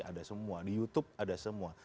ada semua di youtube ada semua